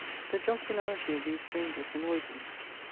The jocularity of these strangers annoyed me.